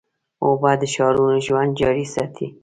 اوبه د ښارونو ژوند جاري ساتي.